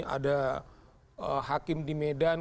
ada hakim di medan